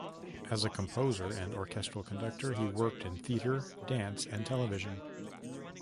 As a composer and orchestral conductor he worked in theater, dance, and television.